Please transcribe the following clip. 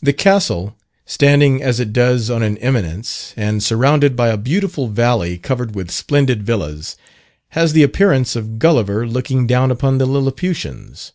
The castle, standing as it does on an eminence, and surrounded by a beautiful valley covered with splendid villas, has the appearance of Gulliver looking down upon the Lilliputians.